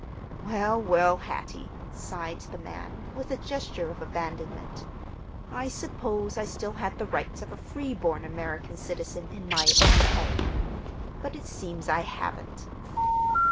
"Well, well, Hattie," sighed the man, with a gesture of abandonment. "I supposed I still had the rights of a freeborn American citizen in my own home; but it seems I haven't."